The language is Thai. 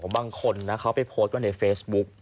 บางคนนะเขาไปโพสต์ไว้ในเฟซบุ๊ก